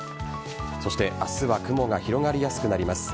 そして明日は雲が広がりやすくなります。